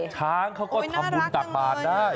ช้างเขาก็ทำบุญตักบาทได้